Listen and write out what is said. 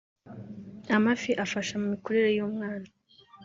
amafi abafasha mu mikurire y’umwana